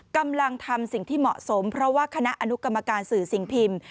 กำลังทำสิ่งที่เหมาะสมเพราะว่าคณะอนุกรรมการสื่อสิ่งพิมพ์